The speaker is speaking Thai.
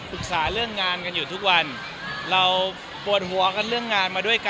เราอย่างนี้ก็เชิญแผนต่ออีกเรื่องหนึ่ง